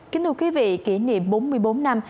kính thưa quý vị kỷ niệm bốn mươi bốn năm